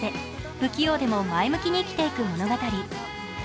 不器用でも前向きに生きていく物語。